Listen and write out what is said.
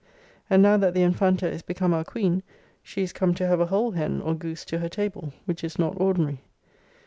And now that the Infanta is become our Queen, she is come to have a whole hen or goose to her table, which is not ordinary.